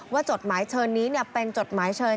จดหมายเชิญนี้เป็นจดหมายเชิญ